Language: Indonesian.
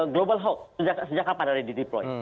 global hawk sejak kapan dari dideploy